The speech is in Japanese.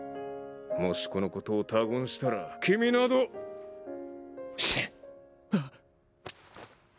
もしこのことを他言したら君などシャッ！あっ。